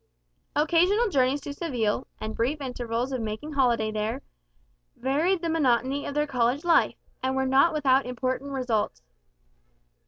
Occasional journeys to Seville, and brief intervals of making holiday there, varied the monotony of their college life, and were not without important results.